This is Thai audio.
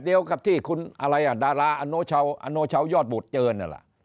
เดียวกับที่คุณอะไรอ่ะดาราอโนเช้าอโนเช้ายอดบุตรเจินล่ะ